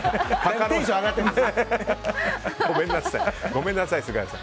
ごめんなさい。